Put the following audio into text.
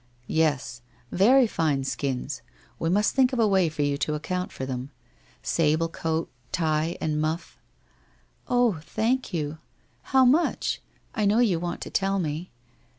' Yes. Very fine skins. We must think of a way for you to account for them. Sable coat, tie and muff/ * Oh, thank you. How much ? I know you want to tell me.'